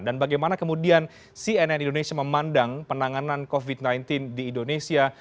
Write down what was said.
dan bagaimana kemudian cnn indonesia memandang penanganan covid sembilan belas di indonesia